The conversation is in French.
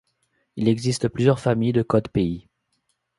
Il existe plusieurs familles de codes pays.